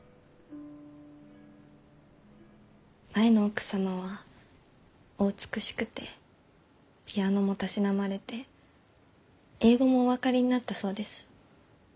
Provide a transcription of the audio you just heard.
前の奥様はお美しくてピアノもたしなまれて英語もお分かりになったそうです。